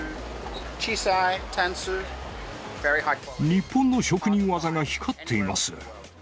日本の職人技が光っています。